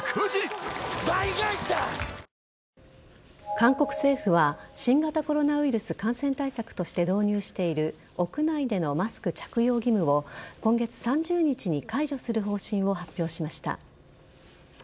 韓国政府は新型コロナウイルス感染対策として導入している屋内でのマスク着用義務を今月３０日に解除する方針を発表しました。